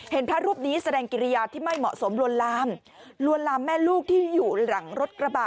พระรูปนี้แสดงกิริยาที่ไม่เหมาะสมลวนลามลวนลามแม่ลูกที่อยู่หลังรถกระบะ